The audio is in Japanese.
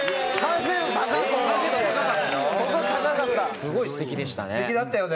すごいステキでしたね。